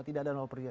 tidak ada rupiah